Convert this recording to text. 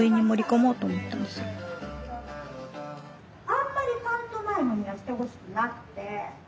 あんまりパントマイムにはしてほしくなくて。